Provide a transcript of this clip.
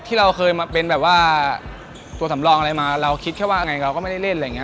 ที่เราเคยมาเป็นตัวสำรองอะไรมาเราคิดแค่ว่าเราก็ไม่ได้เล่น